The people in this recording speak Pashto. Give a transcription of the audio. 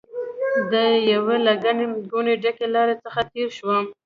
د یوې له ګڼې ګوڼې ډکې لارې څخه تېر شوم.